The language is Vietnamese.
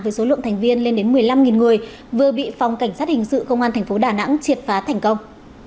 với số lượng thành viên lên đến một mươi năm người vừa bị phòng cảnh sát hình sự công an thành phố đà nẵng triệt phá thành công